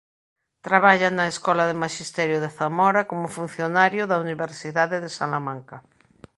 Traballa na Escola de Maxisterio de Zamora como funcionario da Universidade de Salamanca.